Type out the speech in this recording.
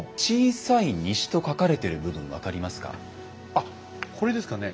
あっこれですかね。